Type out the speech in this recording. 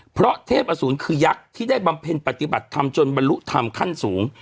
เพราะเทพอสูรคือยักษ์ที่ได้บำเพ็ญปฏิบัติธรรมจนบรรลุธรรมขั้นสูง